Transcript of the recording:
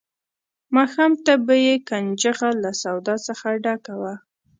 ماښام ته به یې کنجغه له سودا څخه ډکه وه.